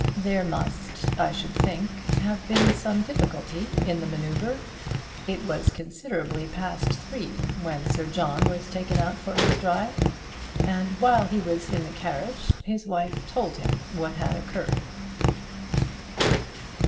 There must, I should think, have been some difficulty in the manoeuvre. It was considerably past three when Sir John was taken out for his drive, and while he was in the carriage his wife told him what had occurred.